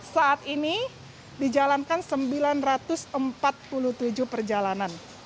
saat ini dijalankan sembilan ratus empat puluh tujuh perjalanan